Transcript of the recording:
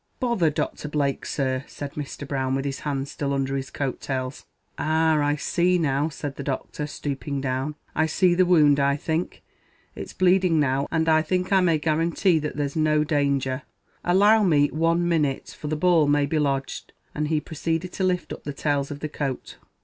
"Bother Doctor Blake, sir," said Mr. Brown, with his hands still under his coat tails. "Ah! I see now," said the Doctor, stooping down; "I see the wound, I think. It's bleeding now and I think I may guarantee that there's no danger; allow me one minute, for the ball may be lodged," and he proceeded to lift up the tails of the coat.